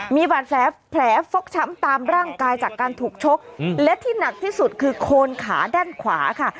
มีบาดแผลแผลฟกช้ำตามร่างกายจากการถูกชกและที่หนักที่สุดคือโคนขาด้านขวาค่ะ